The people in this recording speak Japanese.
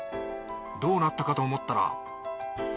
どうなったかと思ったら。